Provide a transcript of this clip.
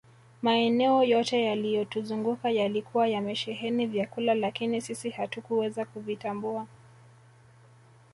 Maeneo yote yaliyotuzunguka yalikuwa yamesheheni vyakula lakini sisi hatukuweza kuvitambua